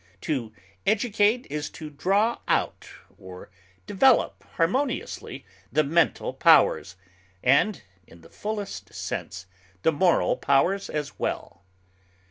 To educate is to draw out or develop harmoniously the mental powers, and, in the fullest sense, the moral powers as well.